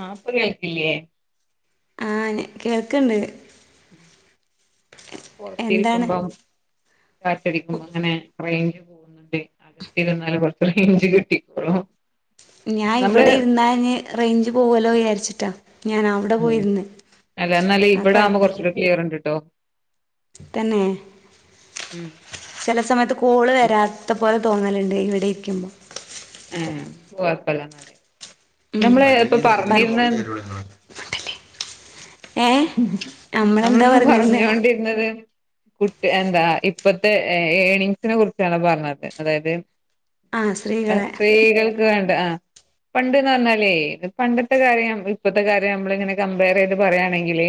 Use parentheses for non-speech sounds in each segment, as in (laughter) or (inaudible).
ആഹ ഇപ്പൊ കേൾക്കില്ലേ ആഹ കേൾക്കണ്ട് എന്താണ് പുറത്തിരിക്കുമ്പോ കാറ്റടിക്കുമ്പോ അങ്ങനെ പോകന്ന്ണ്ടേ അകത്തിരന്നാല കൊറച്ച് റേഞ്ച് കിട്ടിക്കോളു ഞാൻ ഇവിടെ ഇരുന്ന റേഞ്ച് പോവല്ലോ വിചാരിച്ചിട്ടാണ് ഉ അല്ല എന്നാല അത് ഇവിടെ ആവുമ്പോ കൊഴപ്പല്ല കുറച്ചൂടി ക്ലിയർണ്ട് ട്ടോ തന്നെ ചില സമയത്ത് കോള് വരാത്ത പോലെ തോന്നലുണ്ട് ഇവിടെ ഇരിക്കുമ്പോൾ ആഹ ഇപ്പോഴപ്പല്എന്നാല് കജകി തന്നിട്ട് മോൾ (inaudible) ക്ക്ള്ള നമ്മളെന്താ നമ്മള പറഞ്ഞിരുന്നേ പറഞ്ഞോണ്ടിരുന്നത് കുട്ട് എന്താ ഇപ്പത്തെ ഏണിങ്സിനെ കുറിച്ചാണ് പറഞ്ഞത് അതായത് ആഹ് സ്ത്രീകളെ സ്ത്രീകൾക്ക് വേണ്ട ആ പണ്ട്ന്ന് പറഞ്ഞാലേ പണ്ടത്തെ കാര്യം ഇപ്പഴത്തെ കാര്യം നമ്മളിങ്ങനെ കമ്പയർ ചെയ്ത് പറയയാണെങ്കിൽ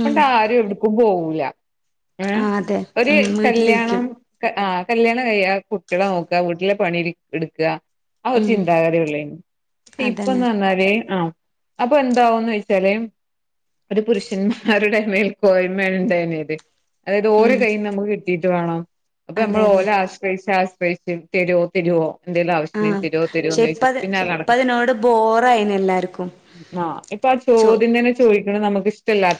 (unintelligible) ഉം പണ്ട് ആരും എടുക്കും പോകും കൂല ഏ ആഹ് അതെ ഒരു ഉം വീട്ടിലിരിക്കും കല്യാണം ആ കല്യാണം കഴിയ കുട്ട്യാളെ നോക്കാ വീട്ടിലെ പണി എടുക്ക ആ ഒരു ഉം ചിന്താഗതിയൊള്ളൊരുന്നു പക്ഷെ അതന്നെ ഇപ്പൊന്നറഞ്ഞാല് ആ അപ്പൊ എന്താവുംന്ന് ചെച്ചാലേ അത് പുരുഷന്മാരുടെ മേൽ കോയ്മെണണ്ടായിരുന്നത് അതായത് ഓര് ഉം കൈയും നമുക്ക് കിട്ടിട്ട് വേണോ അപ്പൊ അതെ നമ്മൾ അതെ ഓല ആശ്രയിച്ച ആശ്ര (unintelligible) തരോ തരോ എന്തേലും ആവശ്യാണ്ടങ്കിൽ ആഹ് ത രോ പക്ഷെ തിരോന്ന് ചോദിച്ചത് ഇപ്പത് പിന്നാല അ നടക്കും ഇപ്പതിനോട് ബോറായിന് എല്ലാർക്കും ആ ഇപ്പൊ ആ ചോദ്യ തന്നെ ചോദി നമുക്ക് ഇഷ്ടല്ലാ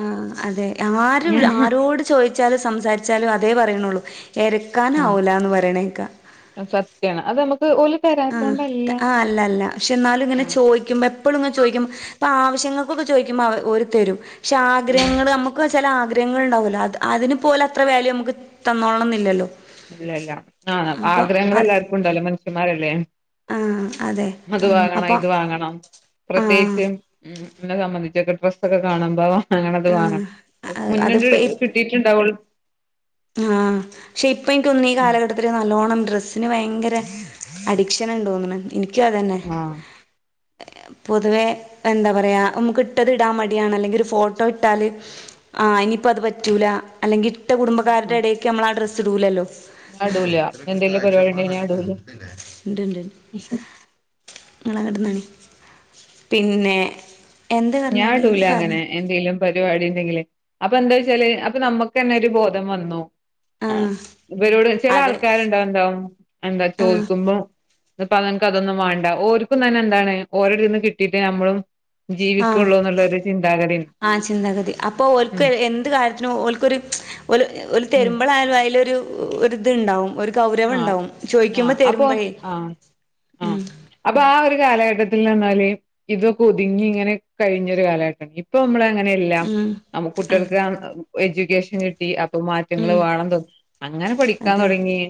ആ അതെ ആരും ഞാൻ ആരോട് ചോദിച്ചാലും സംസാരിച്ചാലും അതേ പറയണള്ളു ആ ഇരക്കാനാവൂല എന്ന് പറയണേക്ക സത്യാണ് അത് നമുക്ക് ഓല് ആ തരാത്തോണ്ടല്ല ആ അല്ല അല്ല ക്ഷെ എന്നാലും ഇങ്ങനെ ആഹ് ചോദിക്കുമ്പോ എപ്പോളും ഇങ്ങ ചോഴിക്കു ഇപ്പ ആവശ്യങ്ങൾക്കൊക്കെ ചോദിക്കുമ്പോ ഓര് തരും പക്ഷെ ഉം ആഗ്രഹങ്ങൾ നമുക്ക് ചില ആഗ്രഹങ്ങൾ ഉണ്ടാവുല്ലോ അത് അതിന് പോലെ അത്ര വാല്യു നമുക്ക് തന്നോളണമെന്നില്ലല്ലോ ഇല്ലല്ല ആ ആഗ്രഹങ്ങൾ അത് എല്ലാർക്കും ഉണ്ടല്ലോ മനുഷ്യമാരല്ലേ ആഹ് അതെ അത് വാങ്ങണം അപ്പൊ ഇത് വാങ്ങണം ആഹ് പ്രത്യേകിച്ച് ഉ എന്ന സംബന്ധിച്ചൊക്കെ ഡ്രസ് ഒക്കെ കാണുമ്പോം അങ്ങന അത് വാങ്ങണം ആഹ് മുന്നണ്ട് കിട്ടീട്ടുണ്ടാവുള്ളൂ ആ ശ അപ്പോ എനിക്ക്ന്ന് ഈ കാലഘട്ടത്തിൽ നല്ലോണം ഡ്രസ് അതിന് ഭയങ്കര അഡിക്ഷൻ ഉണ്ടോന്ന്ന് എനിക്ക അതന്നെ ആഹ് പൊതുവെ എന്താ പറയാ നമുക്ക് ഇട്ടത് ഇടാൻ മടിയാണ് അല്ലെങ്കി ഒരു ഫോട്ടോ ഇട്ടാൽ ഇനിപ്പോ അത് പറ്റൂല അല്ലെങ്കി ഇട്ട കുടും- ആരുടെടക്ക്മ്മള് ആ ഡ്രസ് ടൂലല്ലോ ഞാൻ ഇടൂല എന്തേലും പരിപാടി ഉണ്ടെങ്കി ഞാൻ ഇടൂല ഇണ്ട്ണ്ട് നിങ്ങള് കിടന്നോണി പിന്നെ എന്ത് പറഞ്ഞാടി ഞാടൂല ഇജ്ജ് പറഞ്ഞോ അങ്ങനെ എന്തേലും പരിപാടി അപ്പൊ എന്താ വെച്ചാല് അപ്പൊ നമ്മുക്ക് തന്നെ ഒരു ബോധം വന്നു ആ ആഹ് ഇവരോട് ചില അത് ആൾക്കാരുണ്ടാവും എന്താ എന്താ ആഹ് ചോദിക്കുമ്പം ഇപ്പ നിനക്ക് അതൊന്നും വേണ്ട ഓർക്കും തന്നെ എന്താണ് ഓരോടെന്ന് കിട്ടിട്ട് നമ്മളും ആഹ് ജീവിക്കുള്ളൂ എന്നുള്ള ഒരു ചിന്താഗതി ആ ചിന്താഗതി അപ്പൊ ഓക്ക് എന്ത് കാര്യത്തിനും ഓൾക്കൊരു ഒരു ഉം തെരുമ്പളായാലും അതിലൊരു ഒരു ഇത്ണ്ടാവും ഒരു ഗൗരവം ആഹ് ഉണ്ടാവും ചോയിക്കുമ്പോ ആഹ് അപ്പൊ തരുമ്പഴേ ആഹ് ആ ഉം അപ്പൊ ആ ഒരു കാലഘട്ടത്തിൽ നിന്ന് ഇതൊക്കെ ഒതുങ്ങി ഇങ്ങനെ കഴിഞ്ഞൊരു കാലഘട്ടം ഇപ്പ നമ്മള് അങ്ങനില്ല ഉം നമുക്കു അതെ കുട്ടികൾക്ക് എജ്യുക്കേഷൻ കിട്ടി മാറ്റങ്ങൾ ഉം വേണോന്ന് അങ്ങനെ പഠിക്കാൻ അതെ തുടങ്ങീ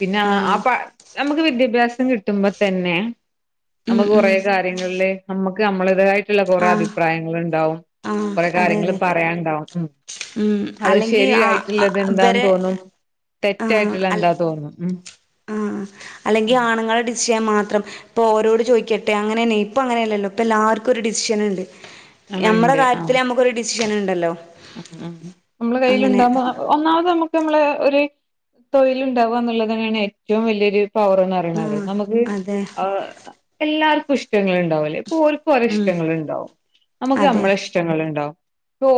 പിന്നെ ആ ആപ്പാ നമുക്ക് വിദ്യാഭ്യാസം കിട്ടുമ്പോ തന്നെ ഉം നമ്മുക്ക് ഉം കൊറെ കാര്യങ്ങളിലെ നമ്മ നമ്മളുതായി കുറെ ആ അഭിപ്രായങ്ങളുണ്ടാവും, ആ കൊറെ അതെ കാര്യങ്ങള് അതെ പറയാനുണ്ടാവും, ഉം ഉം അത് അല്ലെങ്കി ആ ശരിയായിട്ടുള്ളത് എന്താന്ന് ഇവരെ തോന്നും, ആ തെറ്റായിട്ടുള്ള അൽ എന്താന്ന്. ഉം ആഹ് അല്ലെങ്കിൽ ഉം ആണുങ്ങളെ ടിച്ച് ചെയ്യാൻ മാ ത്രം ഇപ്പോൾ ഒരോട് ചോദിക്കട്ടെ, അങ്ങനെ തന്നെ ഇപ്പോ അങ്ങനെയല്ലല്ലോ ഇപ്പോ എല്ലാവർക്കും ഒരു ഡിസിഷന് ഉണ്ട്. ആഹ് നമ്മടെ ഇണ്ട് ആഹ് കാര്യത്തില് നമ്മുക്കൊരു ഡിസ് ഷൻ ഉണ്ടല്ലോ. ഉം ഉം നമ്മള് അങ്ങനെ കയ്യിലുണ്ടാവുമ്പോ ഒന്നാമത് നമു നമ്മളെ ഒരു തൊഴിലുണ്ടാവുക എന്നുള്ളതന്നെയാണ് ഏറ്റവും വലിയൊരു. പവർ എന്ന് അറിയുന്നവരെ ആഹ് നമുക്ക് അതെ ആഹ് എല്ലാവർക്കും ഇഷ് ഇനി ഉണ്ടാവല്ലേ. ഓര്ക്ക് ഒരു ഉം ഇഷ്ടങ്ങളുണ്ടാവും, നമുക്ക് അതെ നമ്മളെ ഇഷ്ടങ്ങളുണ്ടാവും.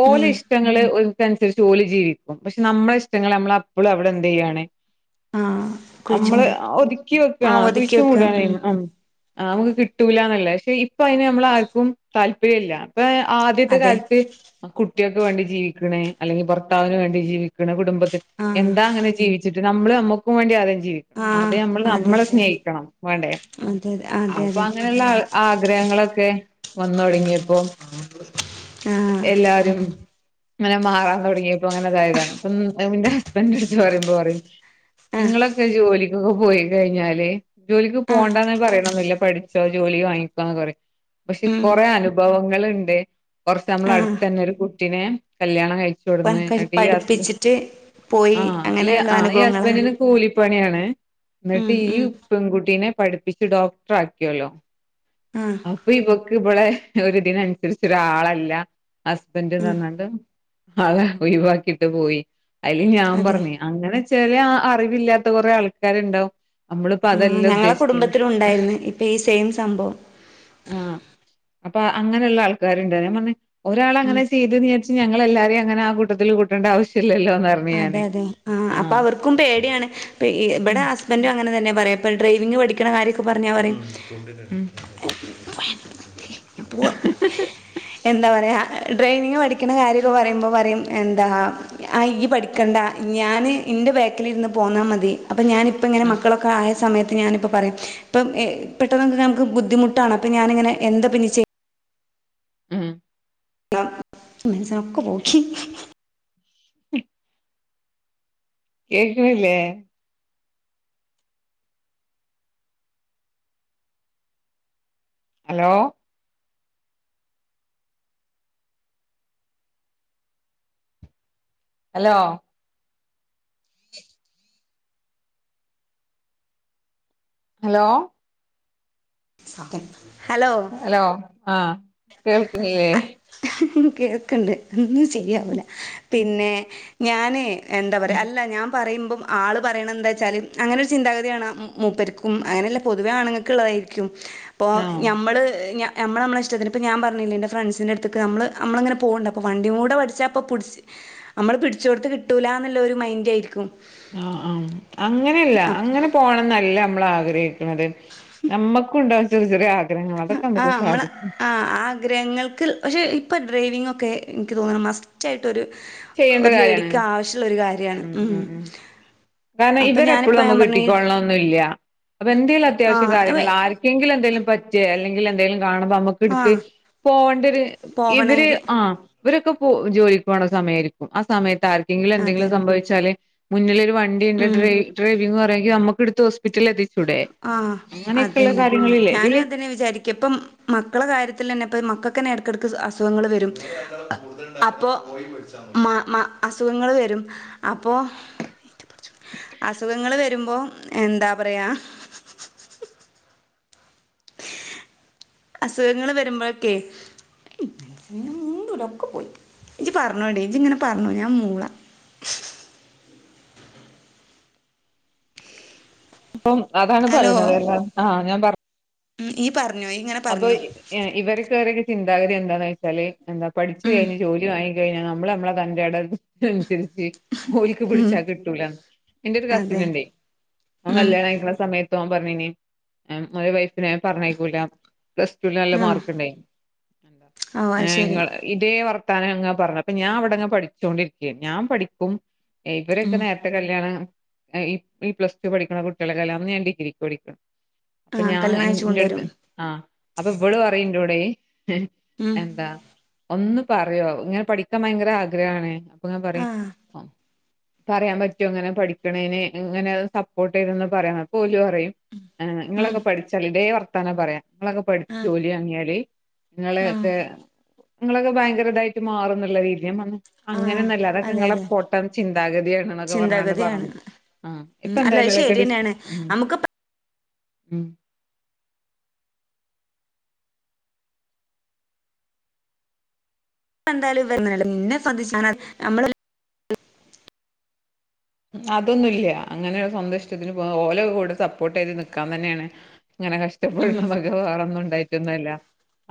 ഓല് ഉം ഇഷ് ഓൽക്കനുസരിച്ച് ഓല് ജീവിക്കും പക്ഷെ നമ്മളെ ഇഷ്ടങ്ങൾ നമ്മള് അപ്പളും അവിടെ എന്ത് ചെയ്യാണ് ആഹ് നമ്മള് കുഴിച്ചൂണ്ട് ഒതുക്കി വെക്കാണ് ആഹ് ഒതുക്കി കുഴിച്ച വെക്കാം മൂടാണ് ഉം ചെയ്യണെ ആ (unintelligible) കിട്ടൂല്ലന്നല്ലെ പഷെ ഇപ്പ അയിന് നമ്മളാർക്കും താല്പര്യല്ല പ്പാ ആദ്യത്തെ അതെ കാലത്ത് അ കു വേണ്ടി ജീവിക്ക്ണേ. അല്ലങ്കി ഭർത്താവിന് വേണ്ടി ജീവിക്ക്ണ കുടുംബ ആഹ് എന്താ അങ്ങനെ ജീവിച്ചിട്ട് ഞമ്മള് നമ്മക്കും വേണ്ടി (unintelligible) ജീവിക്കണം ആഹ് ആദ്യം നമ്മള് അതെ നമ്മളെ അതെ സ്നേഹിക്കണം വേണ്ടേ? അതെ അതെ അപ്പൊ അതെ അങ്ങനെള്ള ആഗ്രഹങ്ങളൊക്കെ വന്നൊടുങ്ങീപ്പോ ആഹ് എല്ലാരും ങ്ങനെ മാറാൻ തൊടങ്ങിയപ്പൊ അങ്ങനെ ഇതായതാണ്. ഇപ്പന്ന് ഇന്റെ ഹസ്ബന്റെടുത്ത് പറയുമ്പോ പറയും ആഹ് ഇങ്ങളൊക്കൊരു ജോലി ക്ക് പോയി കഴിഞ്ഞാല്. ജോലിക്ക് ആഹ് പോണ്ടാന്ന് പറീണൊന്നില്ല പഠിച്ചോ ജോലിയും വാങ്ങിക്കോ ന്നൊക്കെ പറയും. പഷെ ഉം കൊറേ അനുഭവങ്ങള്ണ്ട് കൊറച് ആഹ് നമ്മളടുത്തന്നെ ഒരു കുട്ടി ട്ടിനേ കല്യാണം കഴി (unintelligible) പഠിപ്പിച്ചിട്ട് പോയി. അങ്ങനെള്ള അനുഭവങ്ങളാണ് പണി ആണ് ഉം ഇന്ന്ട്ട് ഈ ഉം പെൺകുട്ടീനെ പഠിപ്പിച്ച് ഡോക്ടറാക്കി ഓലോ ആഹ് അപ്പ ഇവക്ക് ഇബളെ ഒരിതിനനുസരിച്ചൊരാളല്ല ഹസ് ഹസ്ബന്റ്ന്ന് ഉം പറഞ്ഞാല് അതാ ഒഴിവാക്കിട്ട് പോയി അയില് ഞാൻ അതെ പറഞ്ഞേയ് അങ്ങനെ ചെല ആ അറിവില്ലാത്ത കൊറേ ആൾക്കാര്ണ്ടാവും ആഹ് ഞങ്ങളെ കുടുംബത്തിലുണ്ടായിരുന്ന് ഇപ്പൊ ഈ സെയിം സംഭവം ആഹ് അപ്പൊ അങ്ങനെള്ള ആൾക്കാര്ണ്ട് ഞാൻ (unintelligible) ഉം ഒരാളങ്ങനെ ചെ ന്ന് വിചാരിച്ച് ഞങ്ങല്ലാരേം അങ്ങെനെ ആ കൂട്ടത്തില് കൂട്ടേണ്ട ആവശ്യം അതെ അതെ ആ അപ്പൊ അവർക്കും പേടിയാണ് പ്പി ഇബടെ ഹസ്ബന്റും അങ്ങനെ തന്നെ പറയാ ഇപ്പൊ ഡ്രൈവിംഗ് പഠിക്കണ കാര്യൊക്കെ പറഞ്ഞാ പറയും ഉം (unintelligible) പോയാ (unintelligible) പോ എന്താ പറയാ ഡ്രെയിവിംങ് പഠിക്ക്ണ കാര്യൊക്കെ പറയുമ്പോ പറയും എന്താ ആ ഇയ്യ് പഠിക്കണ്ട ഞാന് ഇന്റെ ബാക്കിലിരുന്ന് പോന്നാ മതി അപ്പൊ ഞാനിപ്പങ്ങനെ ആഹ് മക്കളൊക്കെ ആയ സമയത്ത് ഞാനിപ്പ പറയും ഇപ്പ ഏ പെട്ടെന്നൊക്കെ നമുക്ക് ബുദ്ധിമുട്ടാണ് അപ്പോ ഞാനങ്ങനെ എന്താപ്പിഞ്ഞി ചെയ് ഉം (unintelligible) ഒക്കെ പോക്കി കേക്കണില്ലേ? ഹലോ ഹലോ ഹലോ (unintelligible) ഹലോ ആ കേൾക്കണില്ലേ? കേക്കിണ്ട് ശരിയാവൂല പിന്നെ ഞാനേ എന്താ പറയാ ഉം അല്ല ഞാൻ പറയുമ്പം ആള് പറയണ എന്താച്ചാല് അങ്ങനെ ഒരു ചിന്താഗതിയാണ് മൂപ്പർക്കും അങ്ങനെയല്ല പൊതുവേ ആണുങ്ങൾക്കിള്ളതായിരിക്കും. അപ്പോ ആഹ് ഞമ്മള് ഞ ഞമ്മള് നമ്മടെ ഇഷ്ടത്തിന് ഇപ്പ ഞാൻ പറഞ്ഞില്ലേ ഇന്റെ ഫ്രണ്ട്സിൻ്റെടു ത്തിക്ക് നമ്മള് നമ്മളിങ്ങനെ പോണ്ട്, അപ്പോ വണ്ടി കൂടെ പഠിച്ചാ അപ്പ പിടിച്ച്, നമ്മള് പിടിച്ചോടത്ത് കിട്ടൂലാന്നിള്ളൊരു മൈൻ്റായിരിക്കും. ആ ആ അങ്ങനെയല്ല അപ്പ് അങ്ങനെ പോണംന്നല്ല നമ്മളാ ഗ്ര ക്കുന്നത്. നമ്മക്കും ഉണ്ടാ ചെറിയച്ചെറിയ ആ ആ അമ്മള് ആ ആഗ്രഹങ്ങൾക്ക് പക്ഷെ ഇപ്പം ഡ്രൈവിംഗ് ഒക്കെ എനിക്ക് തോന്നുണു മസ്റ്റായി ട്ട് ഒരു ചെയ്യേണ്ട ഒരു കാര്യാണ് ലേഡിക്ക് ആവശ്യമുള്ളൊരു കാര്യ (unintelligible) ഉം കാരണം അപ്പൊ ഇവരെപ്പളും ഞാനിപ്പ ഞാൻ നമ്മക്ക് പറഞ്ഞു ഈ കിട്ടിക്കൊള്ളണന്നില്ല. അപ്പൊ എന്തേലും അത്യാവശ്യ ആഹ് അതെ കാര്യങ്ങൾ ആരുക്കേലും എന്തേലും പറ്റ് (unintelligible) അല്ലെങ്കില് എന്തേലും കാണുമ്പ നമുക്കടുത്ത് ആഹ് പോവണ്ട ഒരു ഇവര് പോവണെങ്കി ആ ഇവരൊക്കെ പോ ജോലിക്ക് പോണ സമയായിരിക്കും. ആ സമയത്ത് ആരുക് കെങ്കിലും എന്തെങ്കിലും അതെ സംഭവിച്ചാല് മുന്നിലൊരു വ ണ്ടിണ്ട് ഉം ഡ്രൈ ഡ്രൈവിങ്ങും അറിയാ ങ്കി നമ്മക്കെടുത്ത് ഹോസ്പിറ്റലെത്തി ആ അതന്നെ ഞാനും ഇതില് അതന്നെ വിചാരിക്കിപ്പം മക്കളെ കാര്യത്തിൽ തന്നെ ഇപ്പ മക്ക ക്കന്നെ ഇടക്കിടക്ക് അസുഖങ്ങൾ വരും അപ്പോ മ മ അസുഖങ്ങള് വരും അപ്പോ അസുഖങ്ങള് വരുമ്പോ എന്താ പറയാ അസുഖങ്ങള് വരുമ്പോഴൊക്കെ ഞാൻ മുണ്ടൂല ഒക്കെ പോയി ഇജ്ജ്പറഞ്ഞോടി ഇജ്ജ് ഇങ്ങനെ പറഞ്ഞോടി ഞാൻ ഇങ്ങനെ മൂളാ. അപ്പം അതാണ് ഹലോ പറയുന്നത് എല്ലാം ആ ഞാൻ പറഞ്ഞ ഉം പറഞ്ഞോ ഇയ്യ് ഇങ്ങനെ അപ്പൊ പറഞ്ഞോ ഇവർക്ക (unintelligible) ചിന്ത ഗതാഗതി എന്താന്ന് വെച്ചാല് എന്താ പഠിച്ചു ഉം കഴിഞ്ഞ് ജോലി വ ഴിഞ്ഞാ നമ്മള് നമ്മളെ തന്റെടം അനുസരിച്ച് ഓല്ക്ക് ഉം പിടിച്ചാ കിട്ടൂലാന്ന് എന്റെ ഒരു അതെ കസിനുണ്ടേ അവൻ ഉം കല്യാണം കഴിക്കുന്ന സമയത് ഓൻ പറഞ്ഞിനി ഓന്റെ വൈഫിനെ പറഞ്ഞയക്കൂല പ്ലസ് ടു വിന് നല്ല ആഹ് മാർക്കിണ്ടെ ഓ ആ അത് ശരി ഇങ്ങള് ഇതേ വ ർത്താനം ങ്ങനെ പറഞ്ഞപ്പോ ഞാൻ അവിടങ്ങനെ പടിച്ചോണ്ടിരിക്കാനി ഞാൻ പഠിക്കും ഇവരൊക്കെ ഉം നേരത്തെ കല്യാണം ഈ പ്ലസ് ടു പഠിക്കണ കുട്ടികളെല്ലാന്ന് ഞാൻ ഡിഗ്രിക്ക് പഠിക്കണം ആ കല്യണം കഴിച്ചു കൊണ്ടുവരും ആ അപ്പൊ ഇവളു പറിയും ന്റോടെ ഹെ ഉം എന്താ ഒന്ന് പറയോ ഇങ്ങനെ പഠിക്കാൻ ഭയങ്കര ആഗ്രഹാണെ അപ്പൊ ങ്ങെനെ പറിം ആഹ് അ പറയാൻ പറ്റോങ്ങനെ പഠിക്കണേന് ഇങ്ങനെ സപ്പോട്ടെയ്ത് ന്ന് പറയണം. അപ്പോല് റിം ഉം നിങ്ങളൊക്കെ പഠിച്ചൽ ഇതേ വർ താന പറയാ ങ്ങളൊക്കെ പഠിച് ആഹ് ജോലിയാങ്ങിയാല് ആഹ് ങ്ങളെത്തെ ങ്ങളൊക്കെ ഭയങ്കരതായിട്ട് മാറുന്നുള്ള രീതിയ ൻ പർഞ് ആഹ് അങ്ങനെന്നല്ല അതൊക്കെ അതെ നങ്ങളെ അതെ പൊട്ടൻ ചിന്താഗതിയാണ് ന്നൊക്കെ പറഞ്ഞാണ്ട് ചിന്താഗതിയാണ് പർനത്. ആ ഉം ഇപ്പ അല്ല ന്തായാലും അത് എലെഷെൻ ഡി ശരിയന്നെയാണ് നമുക്ക് ഉം എന്തായാലും (unintelligible) നമ്മള് അതൊന്നുല്യ അങ്ങനെ സ്വന്തം ഇഷ്ടത്തിന് പോആൻ ഓല കൂടെ സപ്പോർട്ട് യ്ത് നിക്കാൻ തന്നെണ്. ങ്ങനെ ഉം കഷ്ടപ്പെടുന്നതൊക്കെ വേറേന്നുണ്ടായി റ്റൊന്നൊല്ല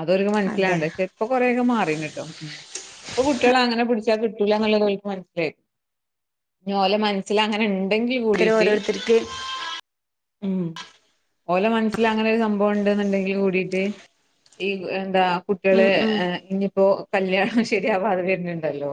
അതോര്ക്‌ അതെ മൻസിലാവ്ണ്ടെ. ക്ഷെ പ്പൊ കൊറേക്കെ മാറിണ് ട്ടോ പ്പൊ കുട്ട്യേളെ അങ്ങനെ പിടിച്ചാ കിട്ടൂല ന്ന്ള്ളത് ഓൽക്ക് മനസ്സിലായി ഞ് ഓലെ മനസ്സില ങ്ങനെൺ അത്തരം ഓരോര്ത്തർക്ക് ഉം ഓലെ മനസ്സില് അങ്ങനെ ഒരു സംഭവം ഉണ്ടെന്ന്ണ്ടെങ്കിൽ കൂടിട്ട് ഈ എന്താ കുട്ട്യാള് ഉം ഉം ഇനിപ്പോ കല്ല്യാണം ശരിയാവാതെ വര്ന്ണ്ടല്ലോ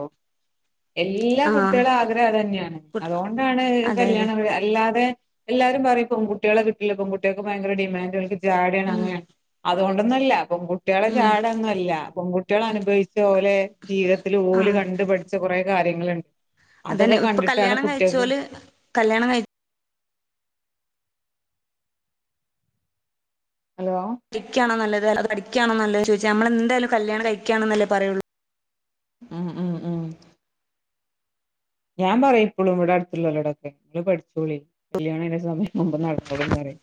എല്ലാ കുട്ടിആളെ ആഹ് ആഗ്രഹം അത്ന്നെണ് അതുകൊണ്ടാണ് അതെ അതെ കല്യാണം അല്ലാതെ എല്ലാരും പറിം പെൺകുട്ടിളെ കിട്ടില്ല പെൺകുട്ടി ആക്ക് ഭയങ്കര ഡിമാൻ്റ്ണ്ട് ജാടേണ് ഉം അങ്ങനേ അ അതു കൊണ്ടൊന്നല്ല പെൺകുട്ടിയാളെ ഉം ജാടന്നൊല്ല പെൺകു ട്ടിയാള് അനുഭവി ചോലെ ജീവിതത്തില് ഓല് ആഹ് കണ്ട് പഠിച്ച കൊറേ കാര്യങ്ങള് അതന്നെ ഇപ്പ ന കല്യാണം കഴിച്ചോല് കല്യാണം കയ് ഹലോ ടിക്കാണോ നല്ലത് അതൊ അടിക്കാണോ നല്ലത് ചോദി - ഞമ്മൾ എന്താലും കല്യാണം കഴിക്കാണ് ന്നല്ലേ പറയുള്ളൂ ഉം ഉം ഉം ഞാൻ പറയും എപ്പളും ഇവടെ അടുത്തുള്ളോരോടൊക്കെ നിങ്ങള് പഠിച്ചോളി കല്യാണം ഐൻ്റെ സമയ- മുമ്പ നടന്നോളും ന്ന് പറയും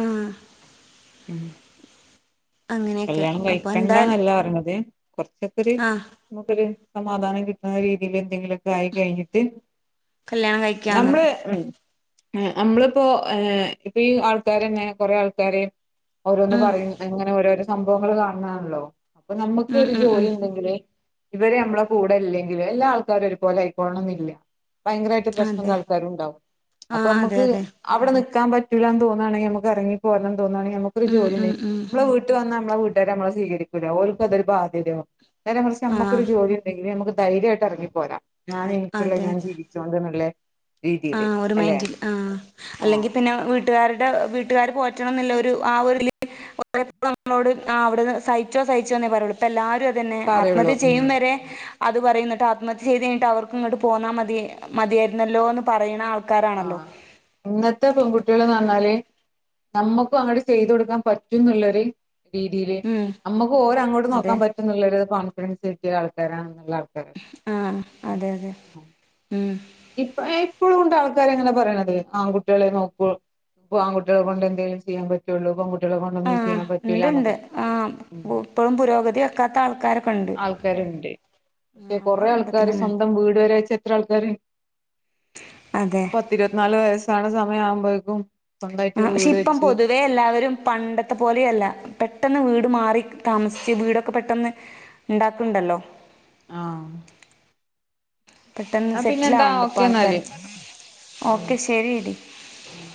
ആഹ് ഉം അങ്ങനെയൊക്കെ കല്യാണം അപ്പൊ എന്തായാലും കഴിക്കണ്ടാന്നല്ല പറഞ്ഞത് കൊറച്ചൊക്കെരു ആഹ് നമുക്കൊരു - സമാധാനം കിട്ടുന്ന രീതിയിൽ എന്തെങ്കിലൊക്കെ ആയി കഴിഞ്ഞിട്ട്- കല്യാണം കഴിക്കാന്ന് നമ്മള് ഇപ്പൊ ഈ ആള്ക്കാര് തന്നെ കുറേ ആള്ക്കാര് ഓരോന്ന് ഉം പറയും അങ്ങ- ഓരോരോ സംഭവങ്ങൾ കാണുന്നയാണല്ലോ ഉം നമ്മുക്കൊരു ഉം ജോലി ഉം ഉണ്ടെങ്കിലേ- ഇവര് മ്മളെ കൂടെല്ലെങ്കിലും എല്ലാ ആൾക്കാരും ഒരുപോലെ ആയിക്കോളണന്നില്ല ഭയങ്കരായിട്ട് പ്രശ്നള്ള അതെ ആൾക്കാരു ണ്ടാവും ആഹ് അതെ അപ്പൊമ്മക്ക് അതെ അവിടെ നിൽ - ക്കാൻപറ്റൂല്ലാന്ന് തോന്നൊണെങ്കി നമ്മക്ക് ഇറങ്ങി പോരണം തോന്നാണെങ്കി നമ്മക്കൊരു ഉം ജോലി ഉം ഉണ്ടെങ്കി- ഉം നമ്മള വീട്ട് വന്നാ നമ്മളെ വീ- ട്ടാര് നമ്മളെ സ്വീകരിക്കൂല ഓൽക്കതൊരു ബാധ്യതയാവു നേരെ മറിച്ച് നമ്മക്കൊരു ആഹ് ജോലി ണ്ടെങ്കില് നമ്മക്ക് ധൈര്യയിട്ട് ഇറങ്ങിപ്പോരാ ഞാൻ എനിക്കുള്ള അതെ ഞാൻ അതെ ജീവിച്ചോണ്ട്ന്ന്ല്ലേ ആ ഒരു മൈന്റിൽ ആ ആഹ് അല്ലെങ്കിൽ പിന്നെ വീട്ടുകാരുടെ വീട്ടുകര് പോ റ്റണന്ന്ള്ളൊരു ആ ഒര്ത് ല് (unintelligible) നമ്മളോ സഹിച്ചോ സഹിച്ചോ ന്നെ പറയു പ്പ എല്ലാരു തന്നെ പറയുള്ളൂ ആത്മഹത്യ ഉം ചെയ്യും വരെ അത് പറയും ന്നിട്ട് ആത്മഹത്യ ചെയ്തയിഞ്ഞട്ട് അവർക്ക് ഇങ്ങോട്ട് പോന്നാൽ മതി മതിയായിരുന്നല്ലോ ന്ന് പറയുന്ന ആൾ ആ ഇന്നത്തെ പെൺകുട്ട്യള് പറഞ്ഞാല് നമ്മക്കും അങ്ങട്ട് ചെയ്തു കൊടുക്കാൻ പറ്റുംന്ന്ളെളാര് രീതിയില് ഉം നമ്മുക്ക് ഓരോ അങ്ങോട്ടും അതെ നോക്കാൻ പറ്റുന്നള്ളാര് പ ഫ്രണ്ട്സ് (unintelligible) ആൾക്കാരാ ആ ഉം അതെ അതെ ഉം ഉം ഇപ്പ ഏ ഇപ്പളുണ്ട് ആൾക്കാരങ്ങനെ പറയ്ണത് ആൺകുട്ടികളെ നോക്കൂ ഇപ്പൊ ആൺകുട്ടികളെകൊണ്ടേ എന്തേങ്കലും ചെയ്യാൻ പറ്റുള്ളൂ ട്ട്യാളെ ആ കൊണ്ടൊന്നും ചെയ്യാൻ പറ്റൂല്ല ഉണ്ട്ണ്ട് ആ ഉം ഇപ്പോഴും പുരോഗതി വെക്കാത്ത ആൾക്കാരൊക്കെ ഉണ്ട് ആൾക്കാരുണ്ട് പക്ഷെ ആ കൊറെ നമ്മളെ ആൾക്കാര് കുടുംബത്തിലന്നെ ഉണ്ട് സ്വന്തം വീട് വരെ വെച്ച എത്ര ആൾക്കാര് അതെ പത്തിരുപത്തിനാല് വയസ്സാണ് സ (unintelligible) ആവുമ്പോയെക്കും ആഹ് പക്ഷെ ഇപ്പം പൊതുവേ എല്ലാവരും പണ്ടത്തെ പോലെയല്ല പെട്ടെന്ന് വീട് മാറി താമസിച്ച് വീടൊക്കെ പെട്ടന്ന് ഇണ്ടാക്ക്ണ്ടല്ലോ ആഹ് പെട്ടെന്ന് എന്നാ പിന്നെ എന്താ സെറ്റിലാവണ്ട് ഇപ്പൊ ഓക്കെ എന്നാല് ആൾക്കാര് ഉം ഓക്കെ ശെരിടി ഉം